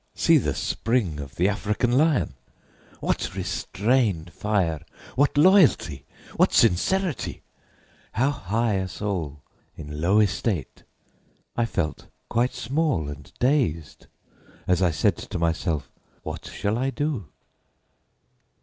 See the spring of the African lion! What restrained fire! What loyalty! What sincerity! How high a soul in low estate! I felt quite small and dazed as I said to myself, "What shall I do?"